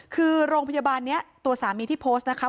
คือโรงพยาบาลนี้ตัวสามีที่โพสต์นะคะ